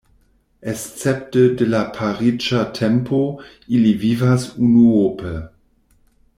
Escepte de la pariĝa tempo, ili vivas unuope.